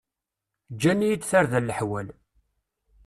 Ǧǧan-iyi-d tarda leḥwal.